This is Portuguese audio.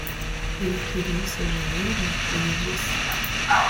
"Ele queria o seu dinheiro?" ele disse.